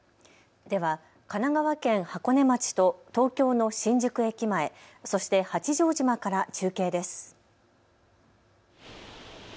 では神奈川県箱根町と東京の新宿駅前、そして八丈島から中継です。